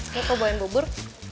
kau cobain bubur